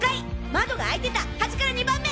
窓が開いてたはじから２番目！